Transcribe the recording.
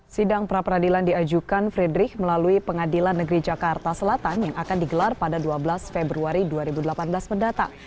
sidang pra peradilan diajukan fredrich melalui pengadilan negeri jakarta selatan yang akan digelar pada dua belas februari dua ribu delapan belas mendatang